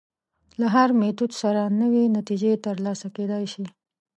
له هر میتود سره نوې نتیجې تر لاسه کېدای شي.